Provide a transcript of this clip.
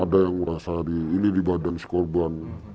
ada yang merasa di ini di badan si korban